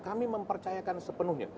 kami mempercayakan sepenuhnya